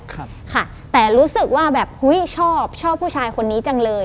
ครับค่ะแต่รู้สึกว่าแบบอุ้ยชอบชอบผู้ชายคนนี้จังเลย